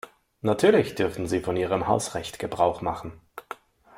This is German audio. Natürlich dürfen Sie von Ihrem Hausrecht Gebrauch machen.